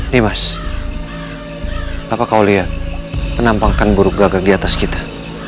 dimas apa kau lihat penampakan burung gagak diatas kita